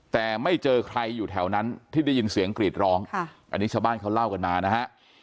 แต่ไม่เจอใครอยู่แถวนั้นที่ได้ยินเสียงกรีดร้องอันนี้ชาวบ้านเขาเล่ากันมานะฮะ